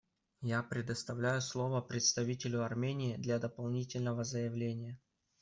Я предоставляю слово представителю Армении для дополнительного заявления.